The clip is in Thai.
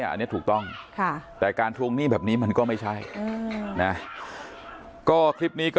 อันนี้ถูกต้องแต่การทวงหนี้แบบนี้มันก็ไม่ใช่นะก็คลิปนี้ก็